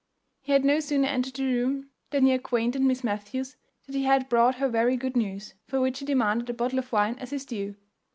He had no sooner entered the room than he acquainted Miss Matthews that he had brought her very good news, for which he demanded a bottle of wine as his due.